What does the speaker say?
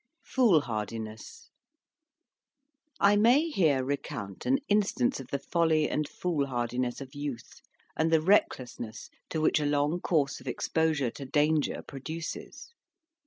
FOOLHARDINESS I may here recount an instance of the folly and foolhardiness of youth, and the recklessness to which a long course of exposure to danger produces.